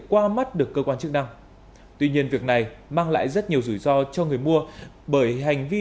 qua mắt được cơ quan chức năng tuy nhiên việc này mang lại rất nhiều rủi ro cho người mua bởi hành vi